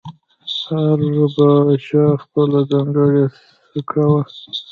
د هر پاچا خپله ځانګړې سکه وه